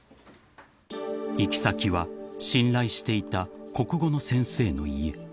［行き先は信頼していた国語の先生の家］